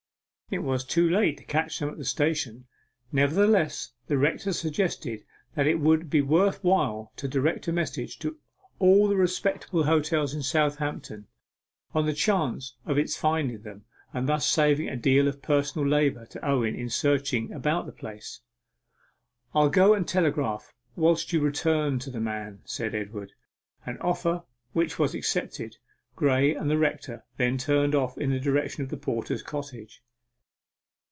It was too late to catch them at the station. Nevertheless, the rector suggested that it would be worth while to direct a message to 'all the respectable hotels in Southampton,' on the chance of its finding them, and thus saving a deal of personal labour to Owen in searching about the place. 'I'll go and telegraph, whilst you return to the man,' said Edward an offer which was accepted. Graye and the rector then turned off in the direction of the porter's cottage.